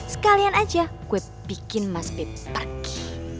sekalian aja gue bikin mas pip pergi